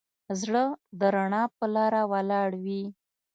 زړه د رڼا په لاره ولاړ وي.